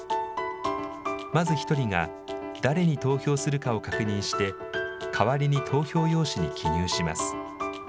まず１人が誰に投票するかを確認して、代わりに投票用紙に記入します。